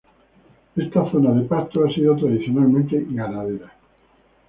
Esta zona de pastos ha sido tradicionalmente ganadera.